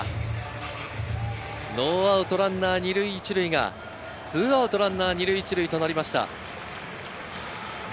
ノーアウトランナー２塁１塁が、２アウトランナー２塁１塁となりました。